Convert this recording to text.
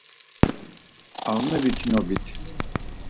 Ağne viçinobit.